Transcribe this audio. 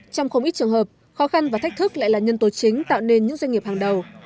trong không ít trường hợp khó khăn và thách thức lại là nhân tố chính tạo nên những doanh nghiệp hàng đầu